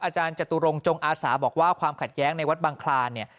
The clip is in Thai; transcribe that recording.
อาจารย์จตุรงจงอาสาบอกว่าความขัดแย้งในวัดบังคลานเนี่ย